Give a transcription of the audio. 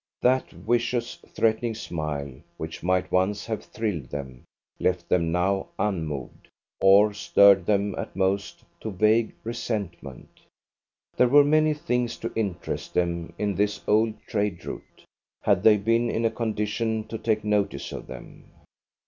That vicious, threatening smile which might once have thrilled them left them now unmoved or stirred them at most to vague resentment. There were many things to interest them in this old trade route, had they been in a condition to take notice of them.